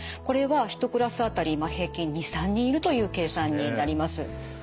これは１クラス当たり平均２３人いるという計算になります。